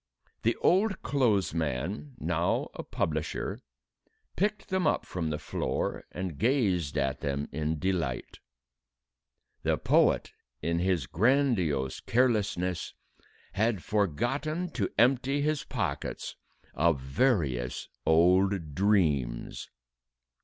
The old clothes man, now a publisher, picked them up from the floor and gazed at them in delight. The poet, in his grandiose carelessness, had forgotten to empty his pockets of various old dreams!